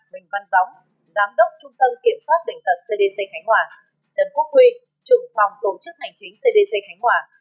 mình văn gióng giám đốc trung tâm kiểm soát bình tật cdc khánh hòa trần quốc huy trụng phòng tổ chức hành chính cdc khánh hòa